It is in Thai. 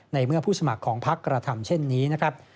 ในเมื่อผู้สมัครของพักกระทำเช่นนี้นะครับ